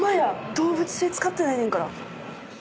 動物性使ってないねんから。